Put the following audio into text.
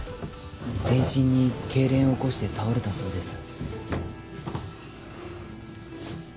全身に痙攣を起こして倒れたそうです。